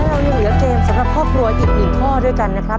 แล้วเรายังอยู่หลายเกมสำหรับครอบครัวอีก๑ข้อด้วยกันนะครับ